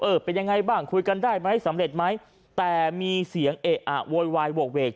เป็นยังไงบ้างคุยกันได้ไหมสำเร็จไหมแต่มีเสียงเอะอะโวยวายโหกเวก